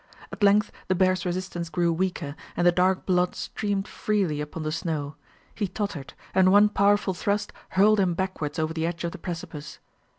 At length the bear's resistance grew weaker, and the dark blood streamed freely upon the snow; he tottered; and one powerful thrust hurled him backwards over the edge of the precipice.